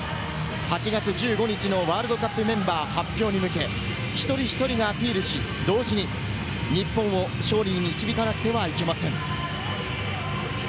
８月１５日のワールドカップメンバー発表に向け、一人一人がアピールし、同時に日本を勝利に導かなくてはいけません。